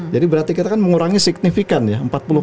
jadi berarti kita kan mengurangi signifikan ya